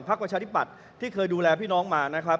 ประชาธิปัตย์ที่เคยดูแลพี่น้องมานะครับ